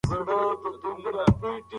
زه نشم کولی چې د خپل پلار خبره رد کړم.